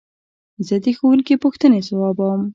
زه د ښوونکي پوښتنې ځوابوم.